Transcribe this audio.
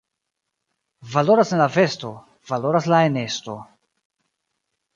Valoras ne la vesto, valoras la enesto.